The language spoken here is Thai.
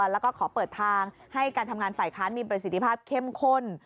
แล้วก็ขอเปิดทางให้การทำงานฝ่ายค้านมีประสิทธิภาพเข้มข้น